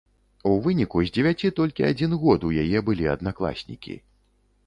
У выніку з дзевяці толькі адзін год у яе былі аднакласнікі.